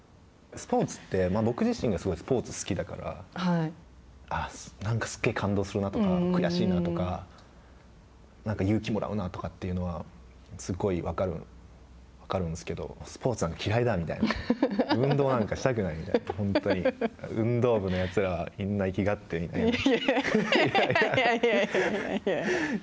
スポーツって僕自身がすごいスポーツが好きだからなんかすっげえ感動するなとか悔しいなとかなんか勇気をもらうなとかっていうのはすごい分かるんですけどスポーツは嫌いでみたいな運動なんかしたくないみたいな、本当に運動部のやつはみんな、粋がってみたいな。